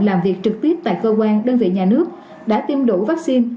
làm việc trực tiếp tại cơ quan đơn vị nhà nước đã tiêm đủ vaccine